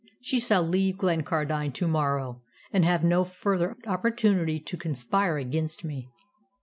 She shall leave Glencardine to morrow, and have no further opportunity to conspire against me."